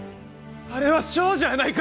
あれは少女やないか！